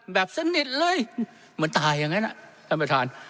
แบบสนิทเลยเหมือนตายอย่างนั้นท่านประธาน